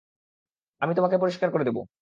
আমি তোমাকে পরিষ্কার করে দেব।